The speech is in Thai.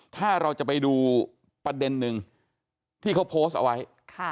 ถ้าเราจะไปดูประเด็นหนึ่งที่เขาโพสต์เอาไว้